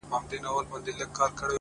چي بیا يې ونه وینم ومي نه ويني!!